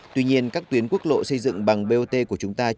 tuy nhiên các tuyến quốc lộ xây dựng bằng bot của chúng ta